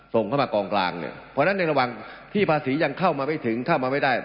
ส่งเข้ามากองกลางเนี่ยเพราะฉะนั้นในระหว่างที่ภาษียังเข้ามาไม่ถึงเข้ามาไม่ได้